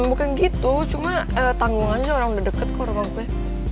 bukan gitu cuma tanggungan aja orang udah deket kok orang gue